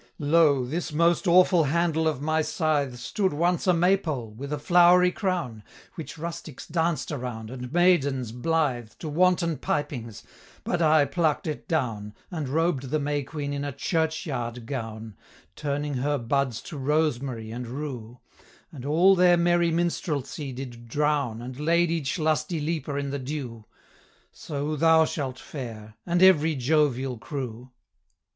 "Lo! this most awful handle of my scythe Stood once a May pole, with a flowery crown, Which rustics danced around, and maidens blithe, To wanton pipings; but I pluck'd it down, And robed the May Queen in a churchyard gown, Turning her buds to rosemary and rue; And all their merry minstrelsy did drown, And laid each lusty leaper in the dew; So thou shalt fare and every jovial crew!"